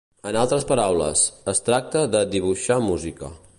En altres paraules, es tracta de 'dibuixar música'".